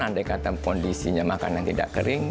andai kata kondisinya makanan tidak kering